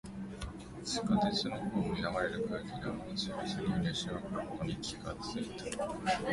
地下鉄のホームに流れる空気で、アナウンスより先に列車が来ることに気がついた。